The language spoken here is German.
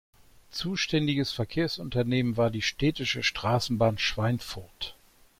Zuständiges Verkehrsunternehmen war die "Städtische Straßenbahn Schweinfurt".